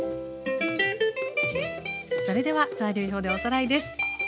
それでは材料表でおさらいです。